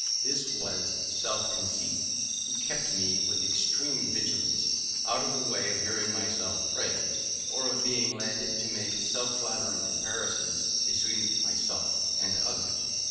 This was self conceit. He kept me, with extreme vigilance, out of the way of hearing myself praised, or of being led to make self flattering comparisons between myself and others.